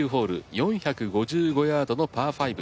４５５ヤードのパー５。